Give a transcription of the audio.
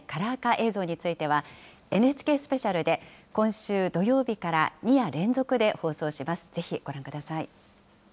映像については、ＮＨＫスペシャルで今週土曜日から２夜連続で放送します。